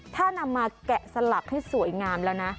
ถ้านำมาแกะสลักให้สวยงามแล้วนะ